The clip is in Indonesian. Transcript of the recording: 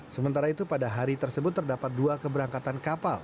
sementara itu pada hari tersebut terdapat dua keberangkatan kapal